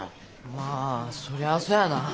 まあそりゃそうやな。